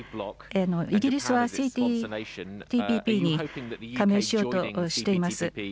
イギリスはＴＰＰに加盟しようとしています。